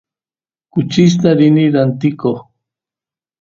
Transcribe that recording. kuchista rini rantikoq